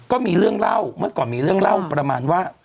ก็มีเรื่องเล่าเมื่อก่อนมีเรื่องเล่าประมาณว่า